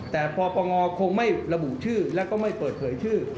แต่ปปงคงไม่ระบุชื่อแล้วก็ไม่เปิดเผยชื่อ